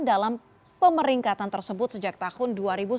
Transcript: dalam pemeringkatan tersebut sejak tahun dua ribu sembilan belas